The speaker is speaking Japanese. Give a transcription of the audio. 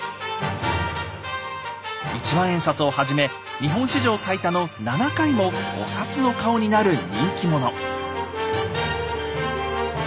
一万円札をはじめ日本史上最多の７回もお札の顔になる人気者。